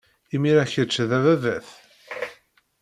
Imir-a, kečč d ababat.